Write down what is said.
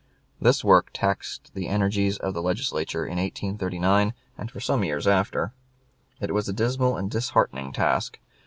This work taxed the energies of the Legislature in 1839, and for some years after. It was a dismal and disheartening task.